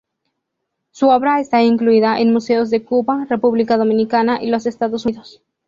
Su obra está incluida en museos de Cuba, República Dominicana y los Estados Unidos.